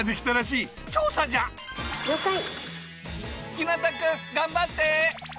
ひなた君頑張って！